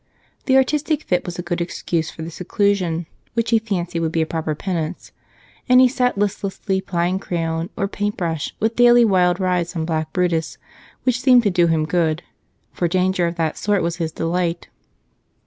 The "artistic fit" was a good excuse for the seclusion which he fancied would be a proper penance, and he sat listlessly plying crayon or paintbrush, with daily wild rides on black Brutus, which seemed to do him good, for danger of that sort was his delight.